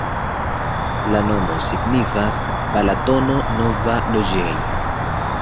La nomo signifas: Balatono-nova-loĝej'.